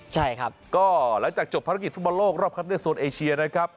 ใช่ครับก็หลังจากจบภารกิจฟุตบอลโลกรอบคัดเลือกโซนเอเชียนะครับ